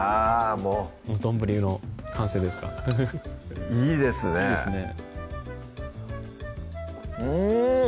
もう丼の完成ですかフフフいいですねいいですねうん！